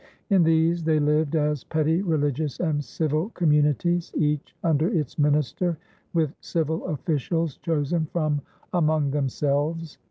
In these they lived as petty religious and civil communities, each under its minister, with civil officials chosen from among themselves.